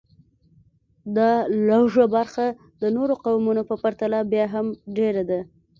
دا لږه برخه د نورو قومونو په پرتله بیا هم ډېره ده